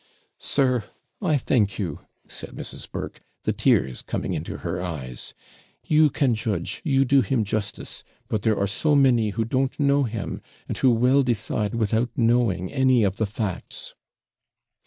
'Sir, I thank you,' said Mrs. Burke, the tears coming into her eyes; 'you can judge you do him justice; but there are so many who don't know him, and who will decide without knowing any of the facts.'